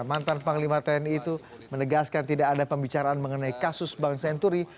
mantan panglima tni itu menegaskan tidak ada pembicaraan mengenai kasus bank senturi